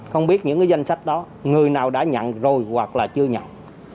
không biết những danh sách đó người nào đã nhận rồi hoặc là chưa nhận